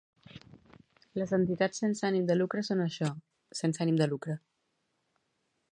Les entitats sense ànim de lucre són això, sense ànim de lucre.